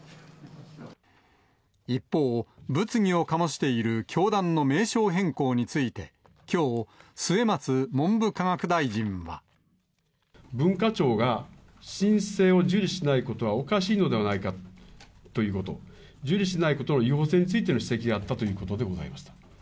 一方、物議を醸している教団の名称変更について、きょう、末松文部科学文化庁が、申請を受理しないことはおかしいのではないかということ、受理しないことの違法性についての指摘があったということでございます。